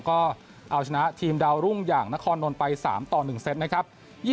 ก็เอาชนะทีมดาวรุ่งอย่างนครนนท์ไป๓ต่อ๑เซตนะครับ